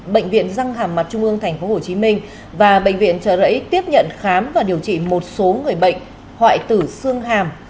bệnh viện răng hàm mặt trung ương tp hcm và bệnh viện trợ rẫy tiếp nhận khám và điều trị một số người bệnh